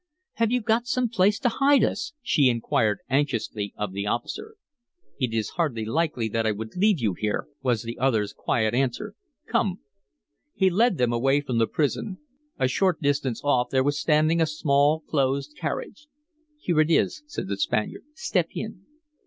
"Have you got some place to hide us?" she inquired anxiously of the officer. "It is hardly likely that I would leave you here," was the other's quiet answer. "Come." He led them away from the prison. A short distance off there was standing a small closed carriage. "Here it is," said the Spaniard. "Step in."